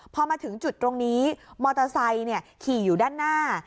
พอมาถึงจุดตรงนี้มอเตอร์ไซค์ขี่อยู่ด้านหน้า